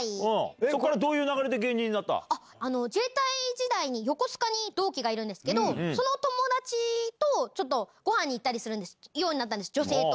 そこからどういう流れで芸人自衛隊時代に横須賀に同期がいるんですけど、その友達とちょっとごはんに行ったりするようになったんです、女性と。